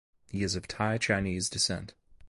He is of Thai Chinese descent.